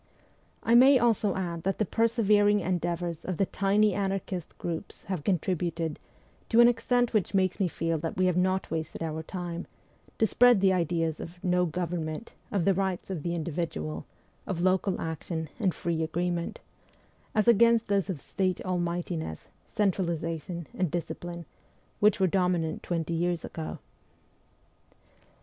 I may also add that the persevering endeavours of the tiny anarchist groups have contributed, to an extent which makes us feel that we have not wasted our time, to spread the ideas of No Government, of the rights of the individual, of local action, and free agreement as against those of State all mightiness, centralization, and discipline, which were dominant twenty years ago.